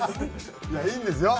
いやいいんですよ？